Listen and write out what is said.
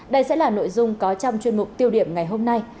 đây sẽ là nội dung có trong chuyên mục tiêu điểm ngày hôm nay